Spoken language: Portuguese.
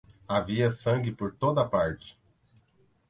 Havia sangue por toda parte.